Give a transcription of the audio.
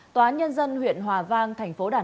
tòa nhân dân huyện hòa vang thành phố đà nẵng